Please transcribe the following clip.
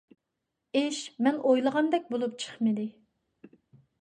ئىش مەن ئويلىغاندەك بولۇپ چىقمىدى.